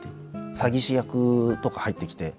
詐欺師役とか入ってきて。